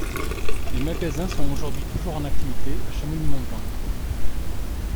Les magasins sont aujourd'hui toujours en activité à Chamonix-Mont-Blanc.